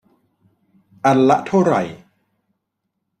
อันละเท่าไหร่